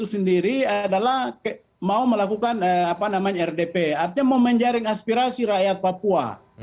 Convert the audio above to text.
yang saya sendiri adalah mau melakukan rdp artinya mau menjaring aspirasi rakyat papua